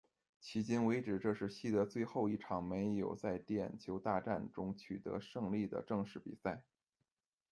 迄今为止，这是西德最后一场没有在点球大战中取得胜利的正式比赛。